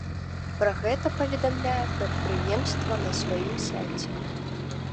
Пра гэта паведамляе прадпрыемства на сваім сайце.